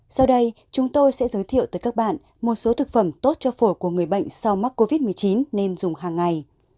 sau đây chúng tôi sẽ giới thiệu tới các bạn một số thực phẩm tốt cho phổi của người bệnh sau mắc covid một mươi chín nên dùng hàng ngày